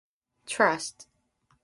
Trust